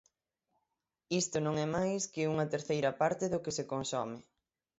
Isto non é máis que unha terceira parte do que se consome.